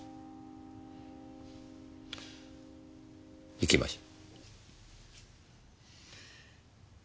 行きましょう。